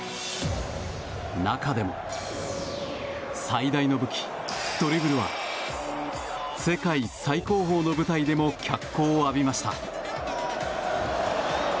中でも最大の武器、ドリブルは世界最高峰の舞台でも脚光を浴びました。